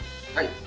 はい。